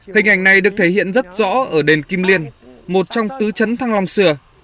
hình ảnh này được thể hiện rất rõ ở đền kim liên một trong tứ chấn thăng long xưa